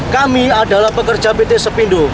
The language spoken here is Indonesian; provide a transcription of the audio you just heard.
kami adalah pekerja pt sepindo